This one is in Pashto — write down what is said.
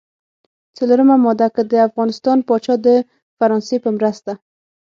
څلورمه ماده: که د افغانستان پاچا د فرانسې په مرسته.